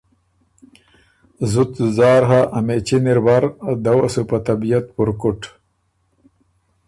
زُت ځُځار هۀ، ا مېچِن اِر ور، دۀ وه سُو په طبیعت پُرکُټ